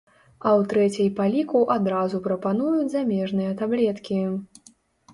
А ў трэцяй па ліку адразу прапануюць замежныя таблеткі.